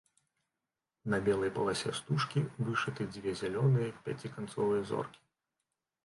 На белай паласе стужкі вышыты дзве зялёныя пяціканцовыя зоркі.